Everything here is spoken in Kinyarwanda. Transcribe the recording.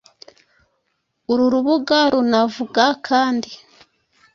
Uru rubuga runavuga kandi